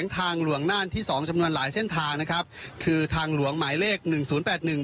ทางหลวงน่านที่สองจำนวนหลายเส้นทางนะครับคือทางหลวงหมายเลขหนึ่งศูนย์แปดหนึ่ง